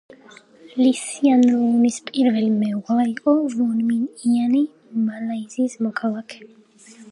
ლი სიან ლუნის პირველი მეუღლე იყო ვონ მინ იანი, მალაიზიის მოქალაქე.